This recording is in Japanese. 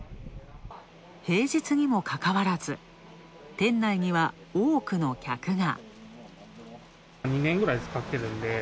平日にもかかわらず、店内には多くの客が。